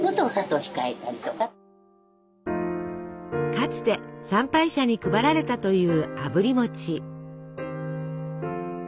かつて参拝者に配られたというあぶり餅。